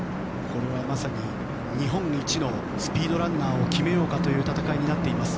これはまさに日本一のスピードランナーを決めようという戦いになっています。